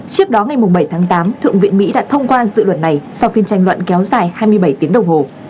trước đó ngày bảy tháng tám thượng viện mỹ đã thông qua dự luật này sau phiên tranh luận kéo dài hai mươi bảy tiếng đồng hồ